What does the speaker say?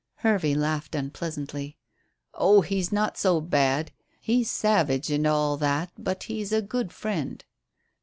Hervey laughed unpleasantly. "Oh, he's not so bad. He's savage, and all that But he's a good friend."